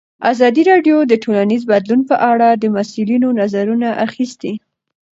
ازادي راډیو د ټولنیز بدلون په اړه د مسؤلینو نظرونه اخیستي.